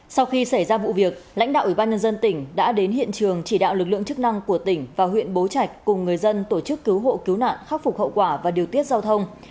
sau khi xảy ra vụ việc lãnh đạo ủy ban nhân dân tỉnh đã đến hiện trường chỉ đạo lực lượng chức năng của tỉnh và huyện bố trạch cùng người dân tổ chức cứu hộ cứu nạn khắc phục hậu quả và điều tiết giao thông